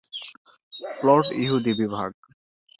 Plot ইহুদি বিভাগ।